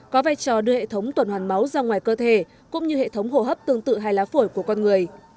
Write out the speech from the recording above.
có vai trò đưa hệ thống tuần hoàn máu ra ngoài cơ thể cũng như hệ thống hồ hấp tương tự hai lá phổi của con người